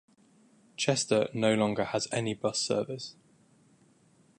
Chester no longer has any bus service.